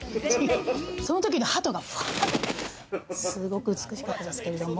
その時の鳩がパっと、すごく美しかったですけれども。